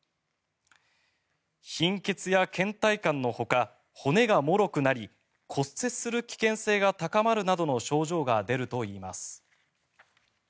貧血やけん怠感のほか骨がもろくなり骨折する危険性が高まるなどの症状が出るといいます。